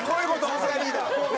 さすがリーダー。